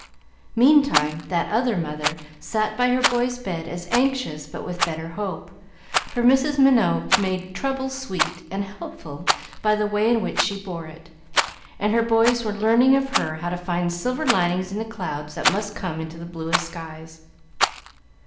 Meantime, that other mother sat by her boy's bed as anxious but with better hope, for Mrs. Minot made trouble sweet and helpful by the way in which she bore it; and her boys were learning of her how to find silver linings to the clouds that must come into the bluest skies.